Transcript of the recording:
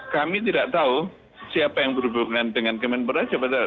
kami tidak tahu siapa yang berhubungan dengan kementerian pembekuan